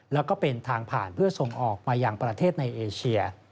แล้วก็เป็นทางผ่านเพื่อส่งออกมายังประเทศในเอเชีย